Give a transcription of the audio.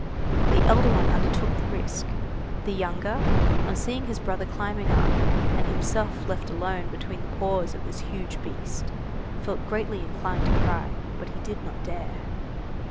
The elder one undertook the risk. The younger, on seeing his brother climbing up, and himself left alone between the paws of this huge beast, felt greatly inclined to cry, but he did not dare.